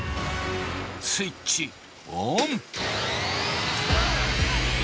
スイッチオン！